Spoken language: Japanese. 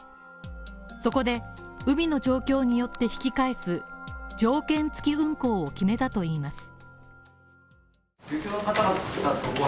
そこで海の状況によって引き返す条件付き運航を決めたといいます。